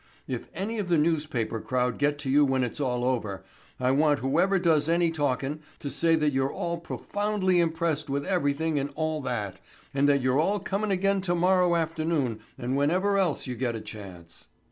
If any of the newspaper crowd get to you when it's all over I want whoever does any talkin' to say that you're all profoundly impressed with everything and all that, and that you're all comin' again tomorrow afternoon and whenever else you get a chance."